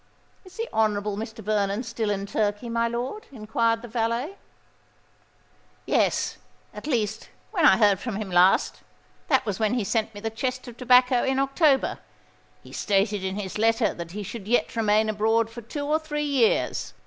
"Is the Honourable Mr. Vernon still in Turkey, my lord?" inquired the valet. "Yes: at least, when I heard from him last—that was when he sent me the chest of tobacco in October—he stated in his letter that he should yet remain abroad for two or three years.